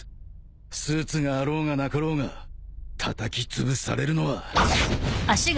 スーツがあろうがなかろうがたたきつぶされるのは。